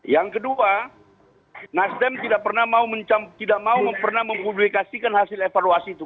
yang kedua nasdem tidak mau pernah mempublikasikan hasil evaluasi itu